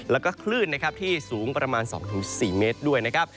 แล้วก็คลื่นนะครับที่สูงประมาณ๒๔เมตรด้วยนะครับ